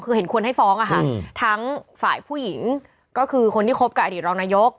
คือเห็นควรให้ฟ้องอะค่ะทั้งฝ่ายผู้หญิงก็คือคนที่คบกับอดีตรองนายก